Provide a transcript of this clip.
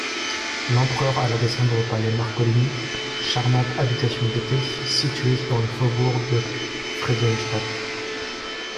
L'empereur alla descendre au palais Marcolini, charmante habitation d'été située dans le faubourg de Frédérichstadt.